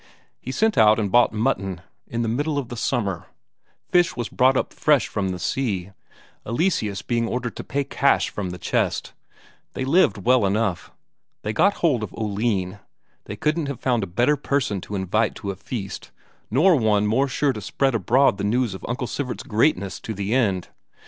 He sent out and bought mutton, in the middle of the summer; fish was brought up fresh from the sea, Eleseus being ordered to pay cash from the chest. They lived well enough. They got hold of Oline they couldn't have found a better person to invite to a feast, nor one more sure to spread abroad the news of Uncle Sivert's greatness to the end.